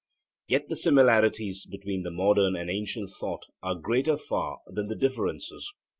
Yet the similarities between modern and ancient thought are greater far than the differences.